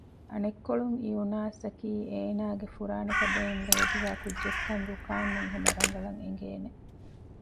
އަނެއްކޮޅުން އިއުނާސްއަކީ އޭނާގެ ފުރާނަފަދައިން ލޯބިވާ ކުއްޖެއްކަން ރުކާންއަށް ހަމަ ރަނގަޅަށް އެނގޭނެ